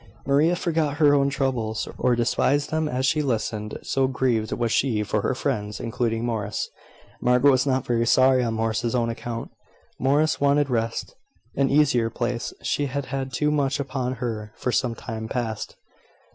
Maria forgot her own troubles, or despised them as she listened, so grieved was she for her friends, including Morris. Margaret was not very sorry on Morris's own account. Morris wanted rest an easier place. She had had too much upon her for some time past.